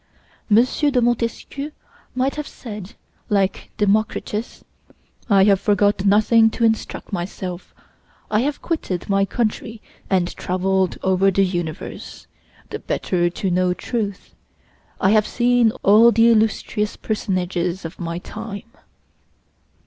M. de Montesquieu might have said, like Democritus, "I have forgot nothing to instruct myself; I have quitted my country and traveled over the universe, the better to know truth; I have seen all the illustrious personages of my time."